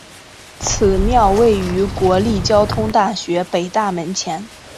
此庙位于国立交通大学北大门前。